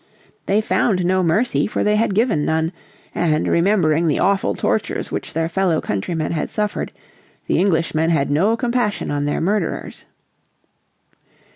They found no mercy, for they had given none; and, remembering the awful tortures which their fellow countrymen had suffered, the Englishmen had no compassion on their murderers.